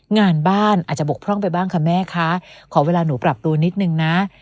งานบ้านอาจจะบกพร่องไปบ้างค่ะแม่คะขอเวลาหนูปรับตัวนิดนึงนะ